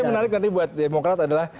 tapi saya menarik nanti buat demokrat adalah